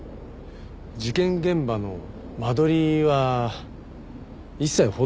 事件現場の間取りは一切報道されてないんだよ。